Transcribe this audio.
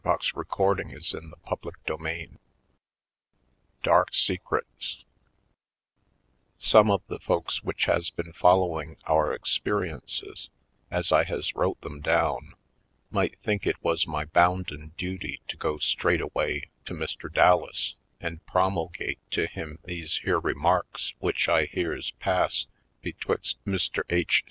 114 /. Poindexter, Colored CHAPTER VIII Dark Secrets SOME of the folks which has been fol lowing our experiences, as I has wrote them down, might think it was my bounden duty to go straight away to Mr. Dallas and promulgate to him these here remarks which I hears pass betwixt Mr. H.